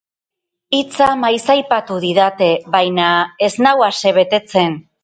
Hitza maiz aipatu didate, baina ez nau asebetetzen.